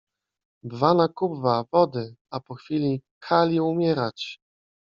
— Bwana Kubwa, wody! A po chwili: — Kali umierać.